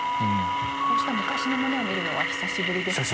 こうした昔のものを見るのは久しぶりですか？